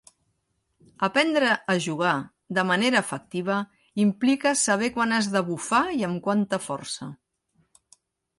Aprendre a jugar de manera efectiva implica saber quan has de bufar i amb quanta força.